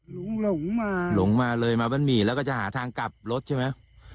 หลงมาหลงมาเลยมาบ้านหมี่แล้วก็จะหาทางกลับรถใช่ไหม